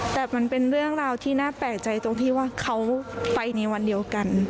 แต่มันเป็นเรื่องราวที่น่าแปลกใจตรงที่ว่าเขาไปในวันเดียวกัน